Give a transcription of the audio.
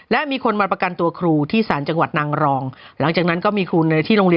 และมีคนมาประกันตัวครูที่สจนร